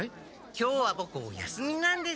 今日はボクお休みなんです。